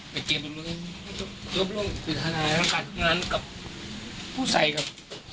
ไม่เจ็บเลยร่วมล่วงปริศนาทางการทำงานกับผู้ใส่กับ